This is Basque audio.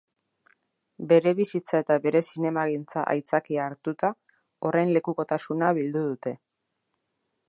Bere bizitza eta bere zinemagintza aitzakia hartuta, horren lekukotasuna bildu dute.